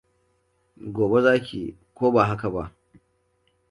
Gobe za ki yi, ko ba haka ba?